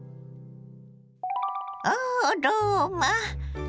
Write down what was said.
おローマ。